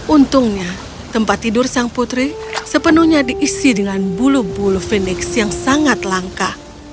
untungnya tempat tidur sang putri sepenuhnya diisi dengan bulu bulu fenix yang sangat langka